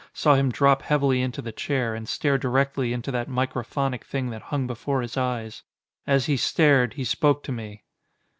Saw him drop heavily into the chair, and stare directly into that microphonic thing that hung before his eyes. As he stared, he spoke to me.